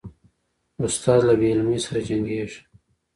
استاد له بې علمۍ سره جنګیږي.